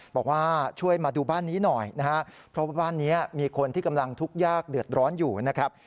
บอกว่าช่วยมาดูบ้านนี้หน่อยนะครับเพราะว่าบ้านนี้มีคนที่กำลังทุกข์ยากเดือดร้อนอยู่นะครับ